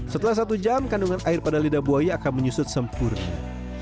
setelah satu jam kandungan air pada lidah buaya akan menyusut sempurna